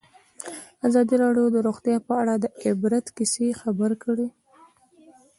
ازادي راډیو د روغتیا په اړه د عبرت کیسې خبر کړي.